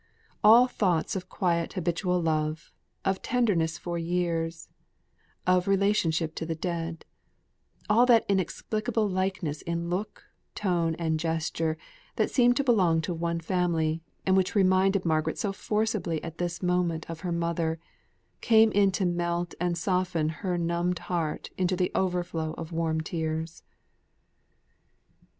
All thoughts of quiet habitual love, of tenderness for years, of relationship to the dead, all that inexplicable likeness in look, tone, and gesture, that seem to belong to one family, and which reminded Margaret so forcibly at this moment of her mother, came in to melt and soften her numbed heart into the overflow of warm tears.